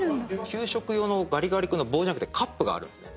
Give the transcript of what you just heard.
給食用のガリガリ君の棒じゃなくてカップがあるんですね。